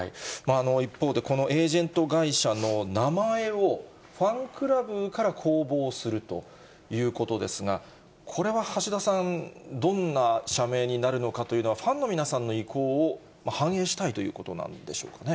一方で、このエージェント会社の名前を、ファンクラブから公募をするということですが、これは橋田さん、どんな社名になるのかというのは、ファンの皆さんの意向を反映したいということなんでしょうかね。